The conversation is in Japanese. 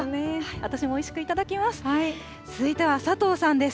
私もおいしく頂きます。